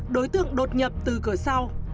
đối tượng đột nhập từ cửa sau